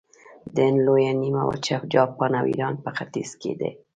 د هند لویه نیمه وچه، جاپان او ایران په ختیځ کې دي.